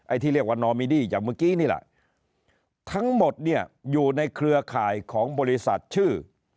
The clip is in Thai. ที่เรียกว่านอมิดี้อย่างเมื่อกี้นี่แหละทั้งหมดเนี่ยอยู่ในเครือข่ายของบริษัทชื่อ